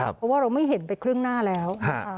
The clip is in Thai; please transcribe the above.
เพราะว่าเราไม่เห็นไปครึ่งหน้าแล้ว